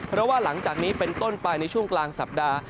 เพราะว่าหลังจากนี้เป็นต้นไปในช่วงกลางสัปดาห์